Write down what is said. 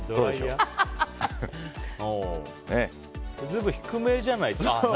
随分、低めじゃないですか？